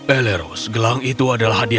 elleros gelang itu adalah hadiah